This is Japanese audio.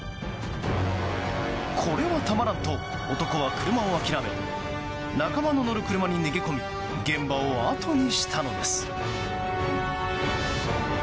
これはたまらんと男は車を諦め仲間の乗る車に逃げ込み現場をあとにしたのです。